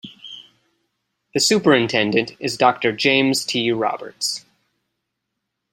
The Superintendent is Doctor James T. Roberts.